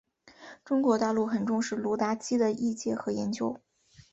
中国大陆很重视鲁达基的译介和研究。